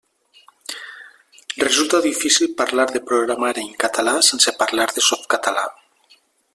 Resulta difícil parlar de programari en català sense parlar de Softcatalà.